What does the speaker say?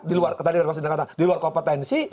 di luar kompetensi